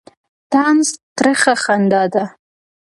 طنز ترخه خندا ده.